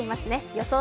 予想